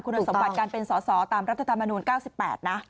คุณสมบัติการเป็นสอสอตามรัฐธรรมนูล๙๘นะ